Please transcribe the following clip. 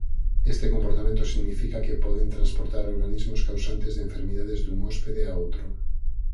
Este comportamento significa que poden transportar organismos causantes de enfermidades dun hóspede a outro.